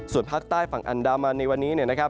ส่วนภาคใต้ฝั่งอันดามันในวันนี้นะครับ